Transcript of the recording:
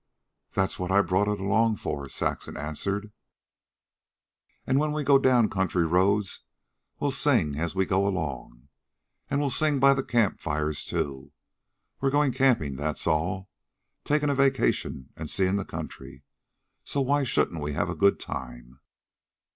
"That's what I brought it along for," Saxon answered. "And when we go down country roads we'll sing as we go along, and we'll sing by the campfires, too. We're going camping, that's all. Taking a vacation and seeing the country. So why shouldn't we have a good time?